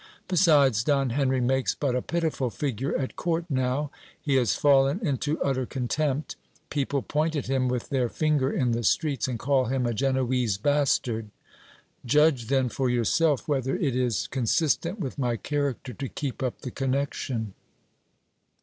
Besides, Don Henry makes but a pitiful figure at court now ; he has fallen into utter contempt ; people point at him with their finger in the streets, and call him a Genoese bastard. Judge, then, for yourself, whether it is consistent with my character to keep up the connection.